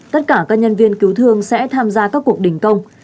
tất cả các nhân viên cứu thương sẽ tham gia các cuộc đình công